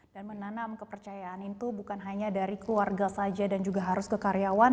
dan menanam kepercayaan itu bukan hanya dari keluarga saja dan juga harus ke karyawan